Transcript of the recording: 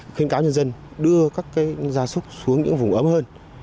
khuyên cáo nhân dân đưa các gia súc xuống những vùng ấm hơn